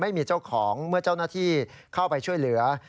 ไม่มีเจ้าของเมื่อเจ้าหน้าที่เข้าไปช่วยเหลือ